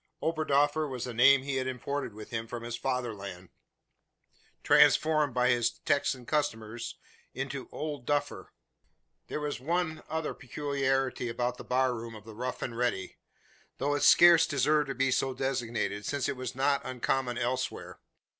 Oberdoffer was the name he had imported with him from his fatherland; transformed by his Texan customers into "Old Duffer." There was one other peculiarity about the bar room of the "Rough and Ready," though it scarce deserved to be so designated; since it was not uncommon elsewhere.